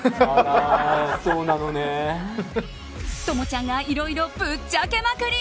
朋ちゃんがいろいろぶっちゃけまくり！